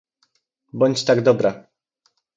"bądź tak dobra!"